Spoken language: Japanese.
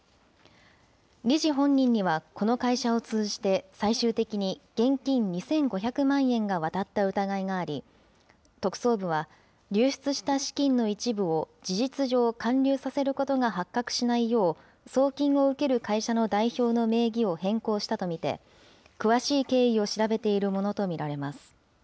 理事本人にはこの会社を通じて、最終的に現金２５００万円が渡った疑いがあり、特捜部は流出した資金の一部を事実上、還流させることが発覚しないよう、送金を受ける会社の代表の名義を変更したと見て、詳しい経緯を調べているものと見られます。